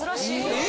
・え！